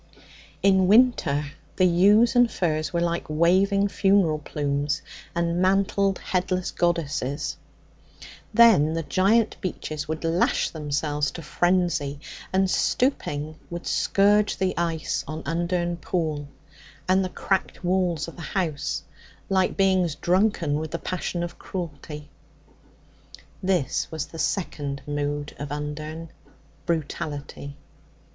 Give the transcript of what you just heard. In winter the yews and firs were like waving funeral plumes and mantled, headless goddesses; then the giant beeches would lash themselves to frenzy, and, stooping, would scourge the ice on Undern Pool and the cracked walls of the house, like beings drunken with the passion of cruelty. This was the second mood of Undern brutality.